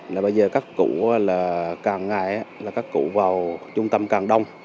là bây giờ các cụ là càng ngày là các cụ vào trung tâm càng đông